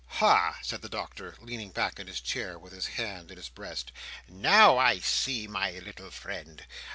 "Ha!" said the Doctor, leaning back in his chair with his hand in his breast. "Now I see my little friend.